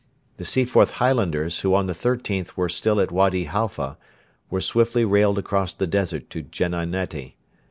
The Seaforth Highlanders, who on the 13th were still at Wady Halfa, were swiftly railed across the desert to Geneinetti.